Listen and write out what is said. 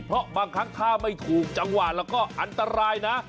เพราะบางครั้งถ้าไม่ถูกจังหวะแล้วก็อันตรายนะ